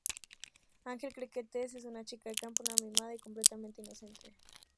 Angel cree que Tess es una chica de campo, nada mimada y completamente inocente.